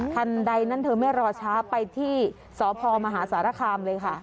ทันใดนั้นเธอไม่รอช้าไปที่สพมหาสารคามเลยค่ะ